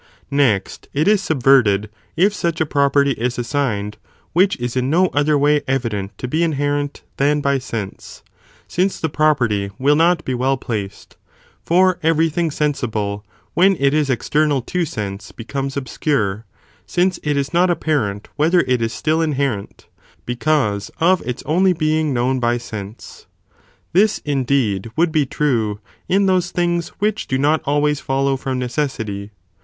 5. Whether Next, it is subverted if such a property is as what is only —_ signed, which is in no other way evident to be y :: sense, isas | inherent than by sense, since the property will sane not be well placed ; for every thing sensible, when it is external to sense becomes obscure, since it is not ap parent whether it is still inherent, because of its only being known by sense. This, indeed, would be true in those things which do not always follow from necessity.